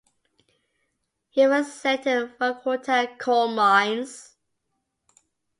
He was sent to Vorkuta coal mines.